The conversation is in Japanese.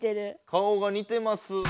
顔が似てます。